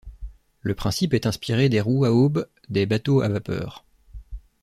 Le principe est inspiré des roues à aubes des bateaux à vapeur.